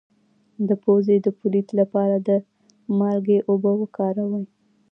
د پوزې د پولیت لپاره د مالګې اوبه وکاروئ